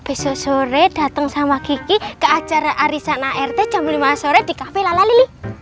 besok sore dateng sama kiki ke acara arisana rt jam lima sore di cafe lalali